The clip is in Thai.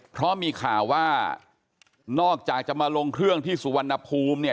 เพราะมีข่าวว่านอกจากจะมาลงเครื่องที่สุวรรณภูมิเนี่ย